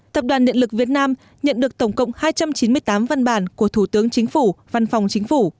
tập đoàn điện lực việt nam nhận được tổng cộng hai trăm chín mươi tám văn bản của thủ tướng chính phủ văn phòng chính phủ